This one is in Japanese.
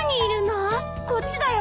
・こっちだよ。